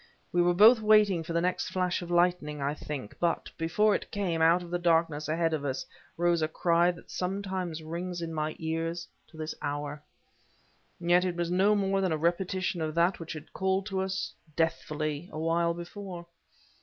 We were both waiting for the next flash of lightning, I think, but, before it came, out of the darkness ahead of us rose a cry that sometimes rings in my ears to this hour. Yet it was no more than a repetition of that which had called to us, deathfully, awhile before.